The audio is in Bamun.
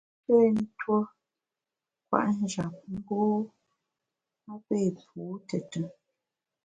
I pé tuo kwet njap, mbu a pé pu tùtùn.